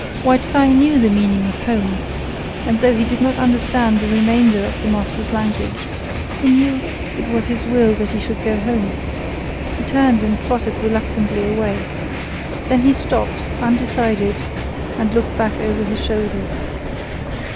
White Fang knew the meaning of "home," and though he did not understand the remainder of the master's language, he knew it was his will that he should go home. He turned and trotted reluctantly away. Then he stopped, undecided, and looked back over his shoulder.